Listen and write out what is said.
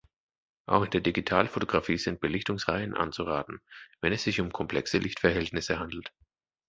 Auch in der Digitalfotografie sind Belichtungsreihen anzuraten, wenn es sich um komplexe Lichtverhältnisse handelt.